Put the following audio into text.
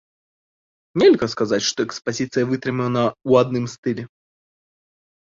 Нельга сказаць, што экспазіцыя вытрымана ў адным стылі.